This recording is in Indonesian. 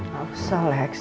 gak usah lex